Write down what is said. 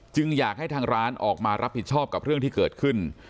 อยากให้ทางร้านออกมารับผิดชอบกับเรื่องที่เกิดขึ้น